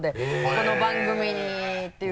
「この番組に」っていう。